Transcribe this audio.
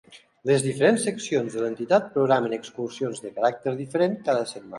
Les diferents seccions de l'entitat programen excursions de caràcter diferent cada setmana.